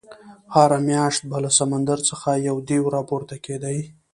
هره میاشت به له سمندر څخه یو دېو راپورته کېدی.